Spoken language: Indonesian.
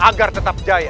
agar tetap jaya